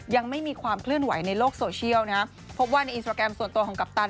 ยังไม่มีความเคลื่อนไหวในโลกโซเชียลนะฮะพบว่าในอินสตราแกรมส่วนตัวของกัปตัน